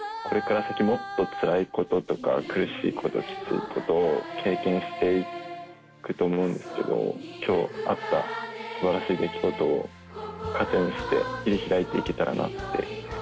これから先もっとつらいこととか苦しいこときついことを経験していくと思うんですけど今日あったすばらしい出来事を糧にして切り開いていけたらなって。